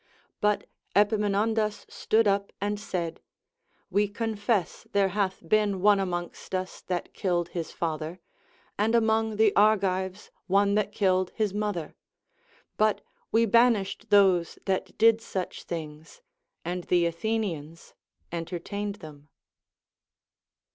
But Epaminondas stood up and said : We confess there hath been one amongst us that killed his father, and among the Argives one that killed his mother ; but we banished those that did such things, and the Athenians entertained them.